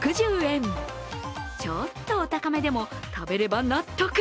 ちょっとお高めでも、食べれば納得